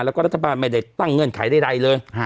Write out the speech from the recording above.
แล้วก็รัฐบาลไม่ได้ตั้งเงื่อนไขใดเลย